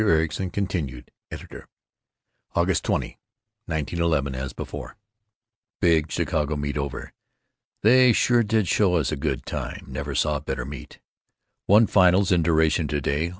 ERICSON, CONTINUED.—EDITOR) UGUST 20, (1911, as before): Big Chicago meet over. They sure did show us a good time. Never saw better meet. Won finals in duration to day.